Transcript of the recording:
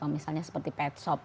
misalnya seperti pet shop